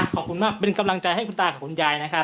ขอบคุณมากเป็นกำลังใจให้คุณตากับคุณยายนะครับ